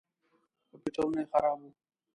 کمپیوټرونه یې خراب وو.